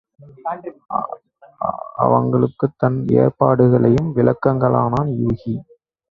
அவளுக்குத் தன் ஏற்பாடுகளையும் விளக்கலானான் யூகி.